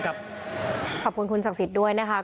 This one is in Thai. ขอบคุณคุณศักดิ์สิทธิ์ด้วยนะครับ